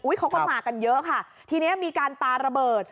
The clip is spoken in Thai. เขาก็มากันเยอะค่ะทีนี้มีการปาระเบิด